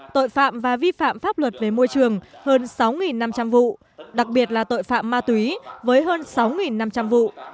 tội phạm và vi phạm pháp luật về môi trường hơn sáu năm trăm linh vụ đặc biệt là tội phạm ma túy với hơn sáu năm trăm linh vụ